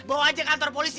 bawa aja kantor polisi